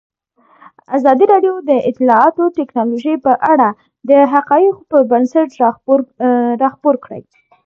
ازادي راډیو د اطلاعاتی تکنالوژي په اړه د حقایقو پر بنسټ راپور خپور کړی.